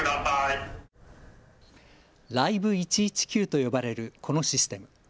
Ｌｉｖｅ１１９と呼ばれるこのシステム。